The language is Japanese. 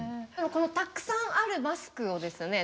このたくさんあるマスクをですね